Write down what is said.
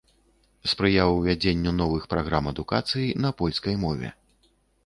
Спрыяў увядзенню новых праграм адукацыі на польскай мове.